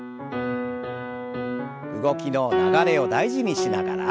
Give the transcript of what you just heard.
動きの流れを大事にしながら。